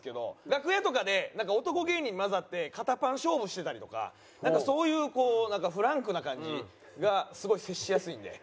楽屋とかで男芸人に交ざって肩パン勝負してたりとかそういうこうなんかフランクな感じがすごい接しやすいんで。